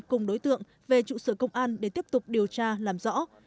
cùng đối tượng về trụ sở công an để tiếp tục điều tra làm rõ